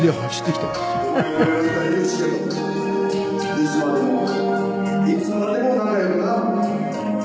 「いつまでもいつまでも仲良くな」